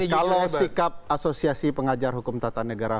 kalau sikap asosiasi pengajar hukum tata negara